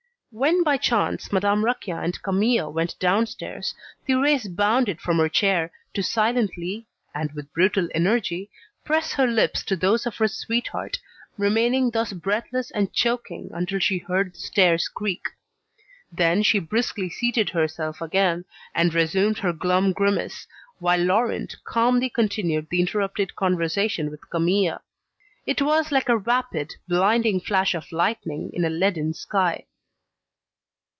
When by chance Madame Raquin and Camille went downstairs, Thérèse bounded from her chair, to silently, and with brutal energy, press her lips to those of her sweetheart, remaining thus breathless and choking until she heard the stairs creak. Then, she briskly seated herself again, and resumed her glum grimace, while Laurent calmly continued the interrupted conversation with Camille. It was like a rapid, blinding flash of lightning in a leaden sky.